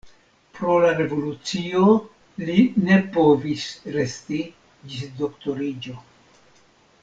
Pro la revolucio li ne povis resti ĝis doktoriĝo.